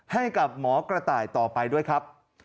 ให้กับหมอกระต่ายต่อไปด้วยครับ